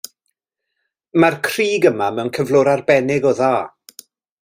Mae'r crug yma mewn cyflwr arbennig o dda.